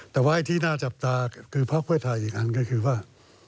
แต่ว่าไอ้ที่น่าจับตาคือพักเพื่อไทยอีกอันก็คือว่า